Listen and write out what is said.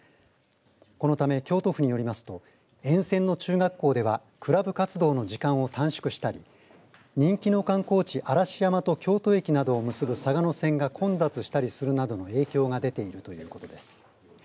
このため京都府によりますと沿線の中学校ではクラブ活動の時間を短縮したり人気の観光地、嵐山と京都駅などを結ぶ嵯峨野線が混雑したりするなどの影響が出ているということです。